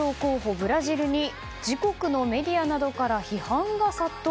ブラジルに自国のメディアなどから批判が殺到。